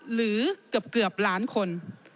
หรือเกือบล้านคน